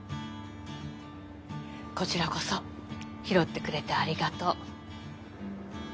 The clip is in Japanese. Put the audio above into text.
こちらこそ拾ってくれてありがとう。